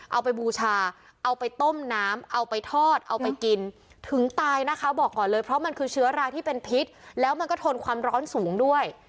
เอาไปบูชาเอาไปต้มน้ำเอาไปทอดเอาไปกินถึงตายนะคะบอกก่อนเลยเพราะมันคือเชื้อราที่เป็นพิษแล้วมันก็ทนความร้อนสูงด้วย